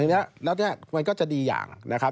แล้วเนี่ยมันก็จะดีอย่างนะครับ